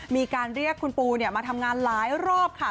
มีการเรียกคุณปูมาทำงานหลายรอบค่ะ